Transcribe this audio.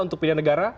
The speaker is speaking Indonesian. untuk pilihan negara